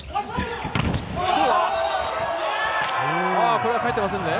これは返っていません。